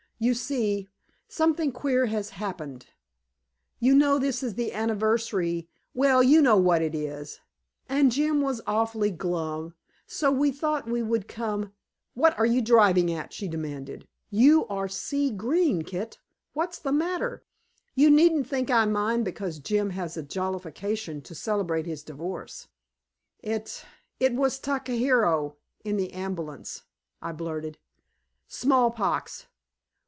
"You see, something queer has happened. You know this is the anniversary well, you know what it is and Jim was awfully glum. So we thought we would come " "What are you driving at?" she demanded. "You are sea green, Kit. What's the matter? You needn't think I mind because Jim has a jollification to celebrate his divorce." "It it was Takahiro in the ambulance," I blurted. "Smallpox.